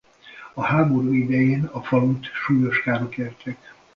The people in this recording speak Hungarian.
A háború idején a falut súlyos károk érték.